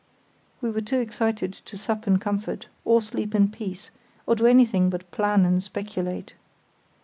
We were too excited to sup in comfort, or sleep in peace, or to do anything but plan and speculate.